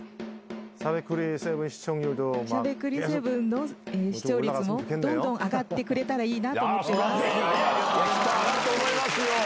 しゃべくり００７の視聴率もどんどん上がってくれたらいいなと思きっと上がると思いますよ。